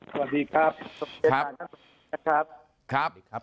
สวัสดีครับ